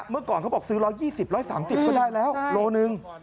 เมื่อก่อนเขาบอกซื้อ๑๒๐๑๓๐ก็ได้แล้วโลหนึ่ง